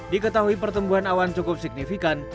diketahui pertumbuhan awan cukup signifikan